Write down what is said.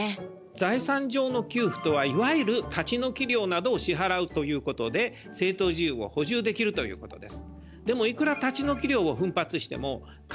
財産上の給付とはいわゆる立ち退き料などを支払うということで正当事由を補充できるということです。